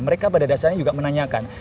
mereka pada dasarnya juga menanyakan